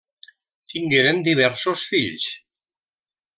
Tingueren diversos fills: